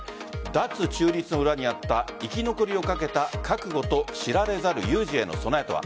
脱中立の裏にあった生き残りをかけた覚悟と知られざる有事への備えとは。